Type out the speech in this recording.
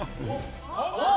おっ？